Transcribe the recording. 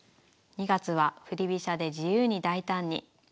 ２月は振り飛車で自由に大胆に。